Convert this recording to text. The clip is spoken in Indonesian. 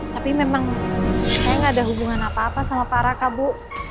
tapi memang saya gak ada hubungan apa apa sama para kak bu